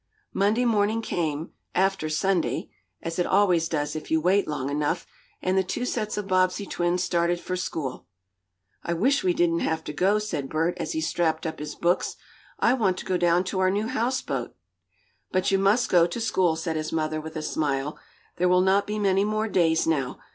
Monday morning came, after Sunday (as it always does if you wait long enough) and the two sets of Bobbsey twins started for school. "I wish we didn't have to go," said Bert, as he strapped up his books. "I want to go down to our new houseboat." "But you must go to school," said his mother with a smile. "There will not be many more days now.